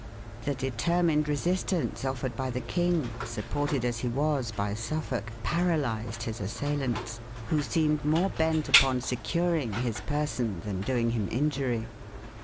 The determined resistance offered by the king, supported as he was by Suffolk, paralysed his assailants, who seemed more bent upon securing his person than doing him injury.